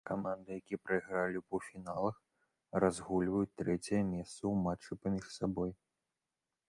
Каманды, якія прайгралі ў паўфіналах, разгульваюць трэцяе месца ў матчы паміж сабой.